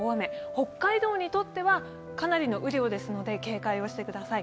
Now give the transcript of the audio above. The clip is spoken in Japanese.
北海道にとってはかなりの雨量ですので警戒をしてください。